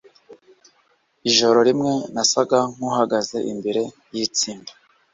Ijoro rimwe nasaga nkuhagaze imbere yitsinda